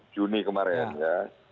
juni kemarin ya